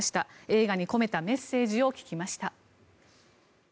映画に込めたメッセージを聞きました。